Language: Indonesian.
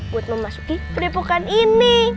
buat memasuki perlipukan ini